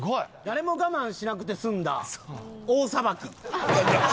誰も我慢しなくて済んだ大裁き。